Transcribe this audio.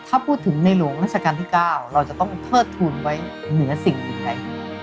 ถ้าพูดถึงในหลวงราชการที่๙เราจะต้องเทิดทูลไว้เหนือสิ่งอื่นใด